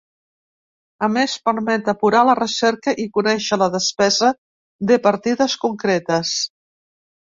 A més, permet apurar la recerca i conèixer la despesa de partides concretes.